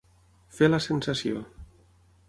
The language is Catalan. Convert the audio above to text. Fer la sensació.